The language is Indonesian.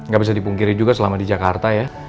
gak bisa dipungkiri juga selama di jakarta ya